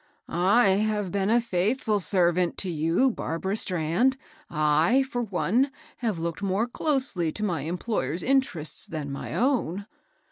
" I have been a faithful servant to you, Barbara Strand. J, for one, have looked more closely to my employer's in terests than my own."